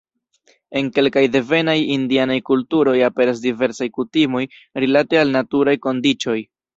En kelkaj devenaj indianaj kulturoj aperas diversaj kutimoj rilate al naturaj kondiĉoj.